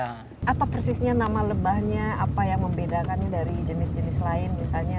apa persisnya nama lebahnya apa yang membedakannya dari jenis jenis lain misalnya